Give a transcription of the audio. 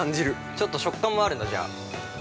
◆ちょっと食感もあるの、じゃあ。